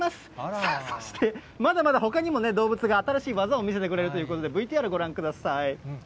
さあそして、まだまだほかにも動物が、新しい技を見せてくれるということで、ＶＴＲご覧ください。